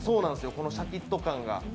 このシャキッと感が。